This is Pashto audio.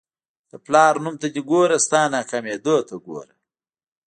د پلار نوم ته دې ګوره ستا ناکامېدو ته ګوره.